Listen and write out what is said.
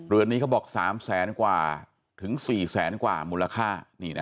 เรือนนี้เขาบอก๓แสนกว่าถึง๔แสนกว่ามูลค่า